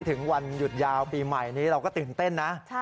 ถึงวันหยุดยาวปีใหม่นี้เราก็ตื่นเต้นนะ